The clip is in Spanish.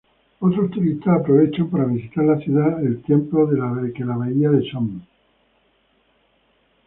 Otros turistas aprovechan para visitar la ciudad al tiempo que la bahía de Somme.